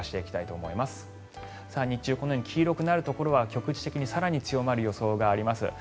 日中、黄色くなるところは局地的に更に強まる予想があります。